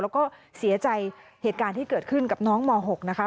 แล้วก็เสียใจเหตุการณ์ที่เกิดขึ้นกับน้องม๖นะคะ